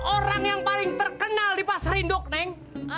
orang yang paling terkenal di pasar indok neng